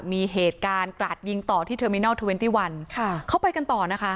มีเหตุการณ์กราดยิงต่อที่เทอร์มินอลเทอร์เวนตี้วันค่ะเขาไปกันต่อนะคะ